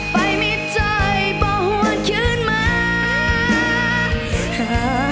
ไปมีใจบอกหวังคืนมา